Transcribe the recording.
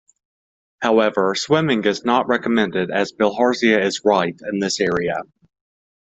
However, swimming is not recommended as bilharzia is rife in this area.